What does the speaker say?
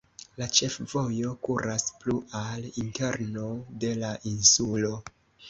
La ĉefvojo kuras plu al interno de la insulo.